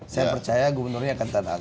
saya percaya gubernurnya akan taat